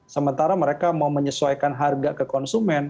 sementara mereka mau menyesuaikan harga ke konsumen